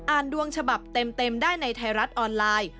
ดวงฉบับเต็มได้ในไทยรัฐออนไลน์